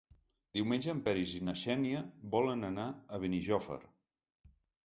Diumenge en Peris i na Xènia volen anar a Benijòfar.